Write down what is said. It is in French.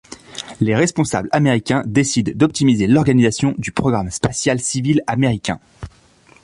Les responsables américains décident d'optimiser l'organisation du programme spatial civil américain.